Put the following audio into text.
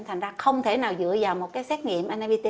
thành ra không thể nào dựa vào một cái xét nghiệm npt